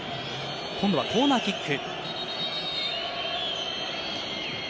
今度はコーナーキック。